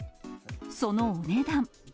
そのお値段。